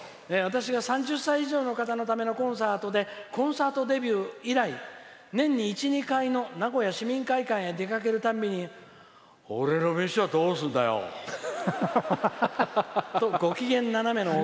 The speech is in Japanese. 「３０歳以上のためのコンサートでコンサートデビュー以来年に１２回の名古屋市民会館へ出かけるたびに俺の飯はどうすんだよとご機嫌斜めの夫。